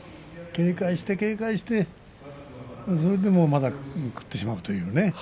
警戒して警戒して、それでもまだ食ってしまうというね。